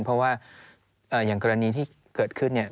เพราะว่าอย่างกรณีที่เกิดขึ้นเนี่ย